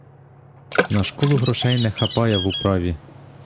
На школу грошей не хапає в управі.